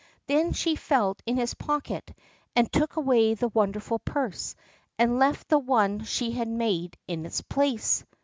Then she felt in his pocket, and took away the wonderful purse, and left the one she had made in its place.